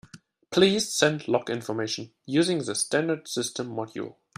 Please send log information using the standard system module.